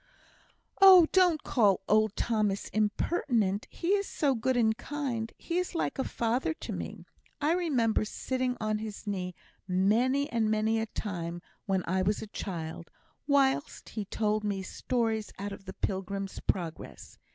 "Oh, don't call old Thomas impertinent. He is so good and kind, he is like a father to me. I remember sitting on his knee many and many a time when I was a child, whilst he told me stories out of the 'Pilgrim's Progress.'